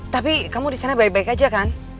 tapi kamu disana baik baik aja kan